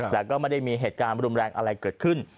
แต่ก็ไม่ได้มีเหตุการณ์รุนแรงอะไรเกิดขึ้น